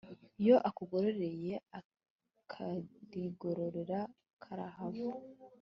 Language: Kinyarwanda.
Iyo akugororeye akarigorora kakahava